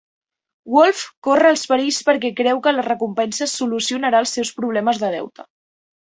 Wolff corre els perills perquè creu que la recompensa solucionarà els seus problemes de deute.